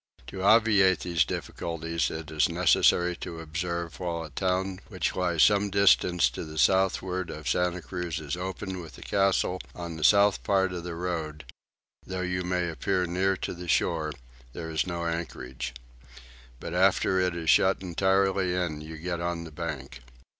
To obviate these difficulties it is necessary to observe that while a town which lies some distance to the southward of Santa Cruz is open with the castle on the south part of the road, though you may appear near to the shore, there is no anchorage; but after it is shut entirely in you get on the bank.